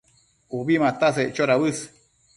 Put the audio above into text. Ubi mataseccho dauës